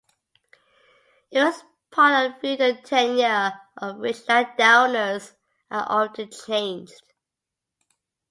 It was part of a feudal tenure of which landowners were often changed.